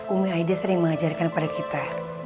umi aida sering mengajarkan pada kita